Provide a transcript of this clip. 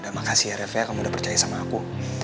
udah makasih ya ref ya kamu udah percaya sama aku